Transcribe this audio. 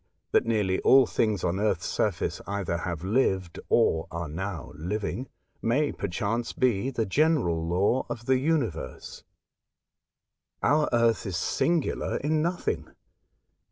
that nearly all things on Earth's surface either have lived or are now living, may perchance be the general law of the universe. Our Earth is singular in nothing.